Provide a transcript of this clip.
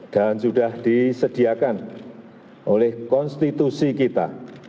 dan sudah disediakan oleh konstitusi kita